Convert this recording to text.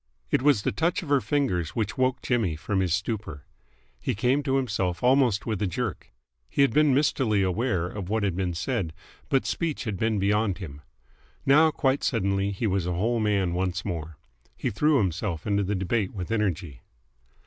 It was the touch of her fingers which woke Jimmy from his stupor. He came to himself almost with a jerk. He had been mistily aware of what had been said, but speech had been beyond him. Now, quite suddenly, he was a whole man once more. He threw himself into the debate with energy.